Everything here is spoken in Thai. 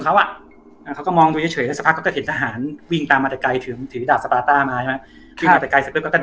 อยากไว้แนวตัวเขาก็เห็นทหารวิ่งมามากจะถึงปาก